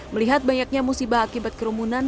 melihat banyaknya musibah akibat kerumunan